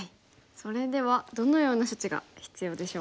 それではどのような処置が必要でしょうか。